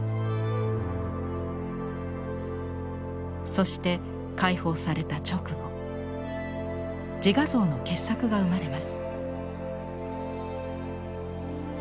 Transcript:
そして解放された直後自画像の傑作が生まれます。